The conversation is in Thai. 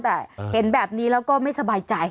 แต่เห็นแบบนี้แล้วก็ไม่สบายใจ